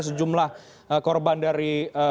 sejumlah korban dari